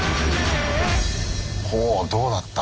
ほうどうなった？